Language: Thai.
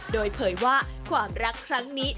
โดยเผยว่าความรักครั้งนี้